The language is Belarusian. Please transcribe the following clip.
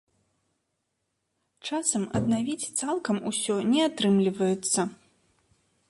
Часам аднавіць цалкам усё не атрымліваецца.